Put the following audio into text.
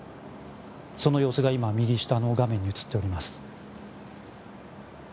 その様子が今右下の画面に映っております。